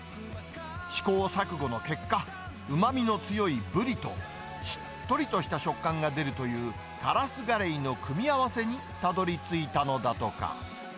試行錯誤の結果、うまみの強いブリと、しっとりとした食感が出るというカラスガレイの組み合わせにたどりついたのだとか。